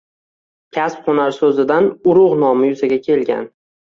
Kasb-hunar so‘zidan urug‘ nomi yuzaga kelgan.